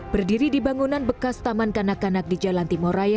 berdiri di bangunan bekas taman kanak kanak di jalan timur raya